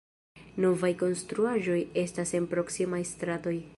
Novaj konstruaĵoj estas en proksimaj stratoj.